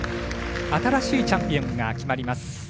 新しいチャンピオンが決まります。